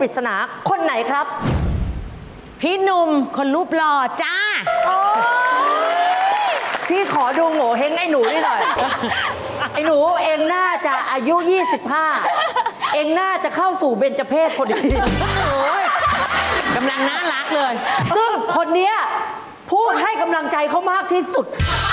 ซึ่งคนนี้ผู้ให้กำลังใจเขามากที่สุด